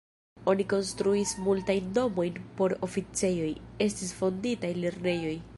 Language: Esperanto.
Oni konstruis multajn domoj por oficejoj, estis fonditaj lernejoj.